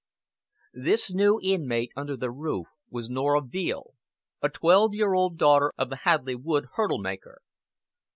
This new inmate under their roof was Norah Veale, a twelve year old daughter of the Hadleigh Wood hurdle maker.